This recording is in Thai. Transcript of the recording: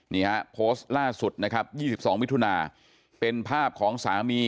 นี่ฮะโพสต์ล่าสุดนะครับ๒๒มิถุนาเป็นภาพของสามี